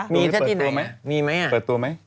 มีท่าที่ไหนเปิดตัวไหม